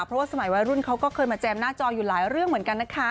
เพราะว่าสมัยวัยรุ่นเขาก็เคยมาแจมหน้าจออยู่หลายเรื่องเหมือนกันนะคะ